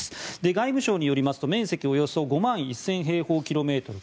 外務省によりますと面積およそ５万１０００平方キロメートル。